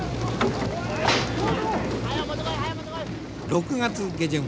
６月下旬